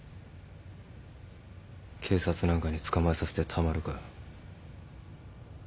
警察なんかに捕まえさせてたまるか。